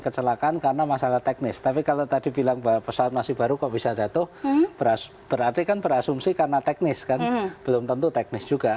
kecelakaan karena masalah teknis tapi kalau tadi bilang bahwa pesawat masih baru kok bisa jatuh berarti kan berasumsi karena teknis kan belum tentu teknis juga